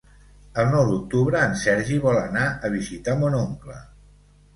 El nou d'octubre en Sergi vol anar a visitar mon oncle.